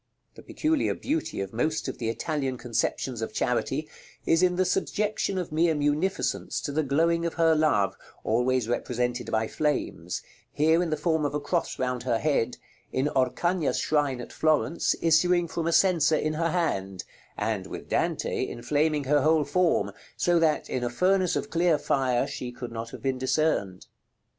The peculiar beauty of most of the Italian conceptions of Charity, is in the subjection of mere munificence to the glowing of her love, always represented by flames; here in the form of a cross round her head; in Oreagna's shrine at Florence, issuing from a censer in her hand; and, with Dante, inflaming her whole form, so that, in a furnace of clear fire, she could not have been discerned.